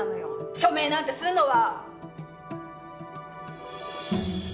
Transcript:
署名なんてするのは！